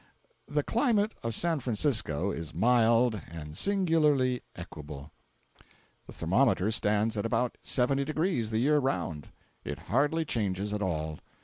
The climate of San Francisco is mild and singularly equable. The thermometer stands at about seventy degrees the year round. It hardly changes at all.